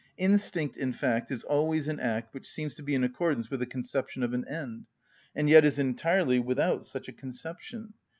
Instinct, in fact, is always an act which seems to be in accordance with the conception of an end, and yet is entirely without such a conception.